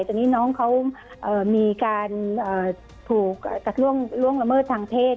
ในนี้น้องเขามีการไปถูกร่วงระเมิดทางเทศ